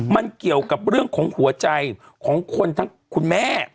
มันเกี่ยวกับเรื่องของหัวใจของคนทั้งคุณแม่